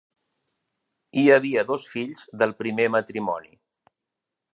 Hi havia dos fills del primer matrimoni.